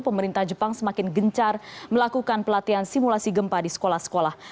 pemerintah jepang semakin gencar melakukan pelatihan simulasi gempa di sekolah sekolah